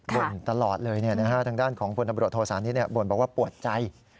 บ่นตลอดเลยทางด้านของพลตำรวจโทษานิทบ่นบอกว่าปวดใจ